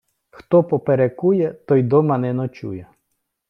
хто поперекує, той дома не ночує